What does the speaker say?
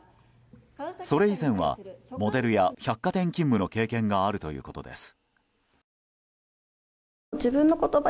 それ以前はモデルや百貨店勤務の経験があるということです。